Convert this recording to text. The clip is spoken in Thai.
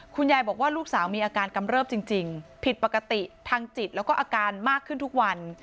คุณยายบอกว่าลูกสาวมีอาการกำเริบจริงผิดปกติทางจิตแล้วก็อาการมากขึ้นทุกวัน